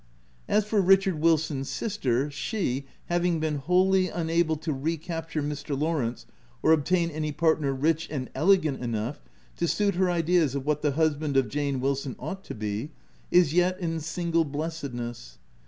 As for Richard Wilson's sister, she, having been wholly unable to re capture Mr. Lawrence or obtain any partner rich and elegant enough to suit her ideas of what the husband of Jane Wilson ought to be, is yet in single blessed ness.